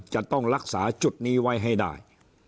จะต้องรักษาจุดนี้ไว้ให้ได้